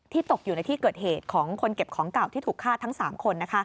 ตกอยู่ในที่เกิดเหตุของคนเก็บของเก่าที่ถูกฆ่าทั้ง๓คน